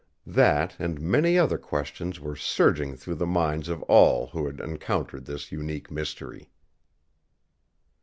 That and many other questions were surging through the minds of all who had encountered this unique mystery.